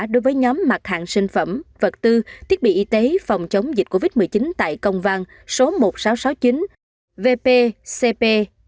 đối với nhóm mặt hạng sinh phẩm vật tư thiết bị y tế phòng chống dịch covid một mươi chín tại công văn số một nghìn sáu trăm sáu mươi chín vp cp năm mươi một